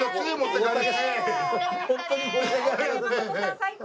最高！